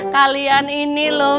kalian ini loh